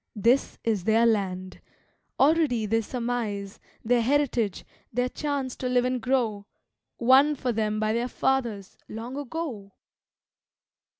This is their land. Already they surmise Their heritage, their chance to live and grow, Won for them by their fathers, long ago!